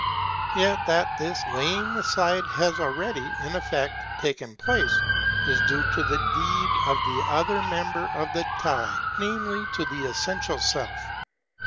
Yet that this laying aside has already, in effect, taken place, is due to the deed of the other member of the Tie, namely to the essential Self.